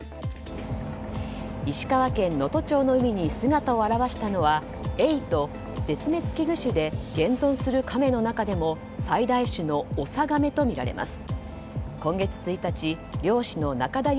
石川県能登町の海に姿を現したのはエイと、絶滅危惧種で現存するカメの中でも最大種のオサガメとみられます。